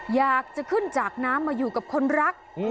อยากจะขึ้นจากน้ำมาอยู่กับคนรัก